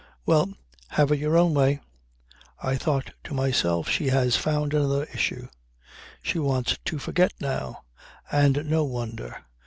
Well, have it your own way." I thought to myself: She has found another issue. She wants to forget now. And no wonder.